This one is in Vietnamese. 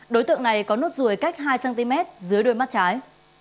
đối tượng này có nốt ruồi cách hai cm dưới đôi mắt trái